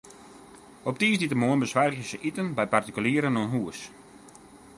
Op tiisdeitemoarn besoargje se iten by partikulieren oan hûs.